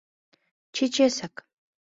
Чечасак...